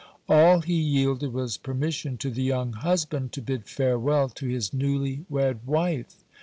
All he yielded was permission to the young husband to bid farewell to his newly wed wife.